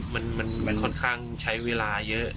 มันค่อนข้างใช้เวลาเยอะ